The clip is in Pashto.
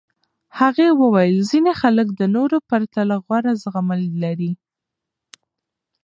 هغې وویل ځینې خلک د نورو پرتله غوره زغمل لري.